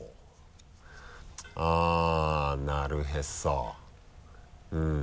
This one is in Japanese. あっなるへそうん。